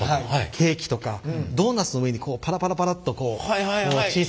ケーキとかドーナツの上にパラパラパラっと小さく粒状で。